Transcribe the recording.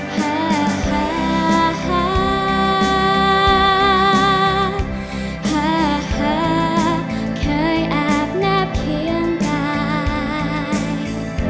ฮ่าฮ่าเคยอาบหน้าเพียงตาย